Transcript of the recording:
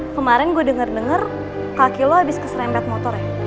kemarin gue denger denger kaki lo abis keserempet motor ya